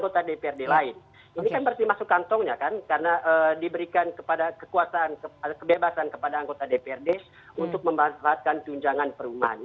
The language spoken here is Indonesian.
kalau kita kerjasama dengan ru